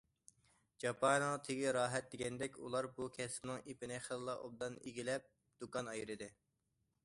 ‹‹ جاپانىڭ تېگى راھەت›› دېگەندەك، ئۇلار بۇ كەسىپنىڭ ئېپىنى خېلىلا ئوبدان ئىگىلەپ، دۇكان ئايرىدى.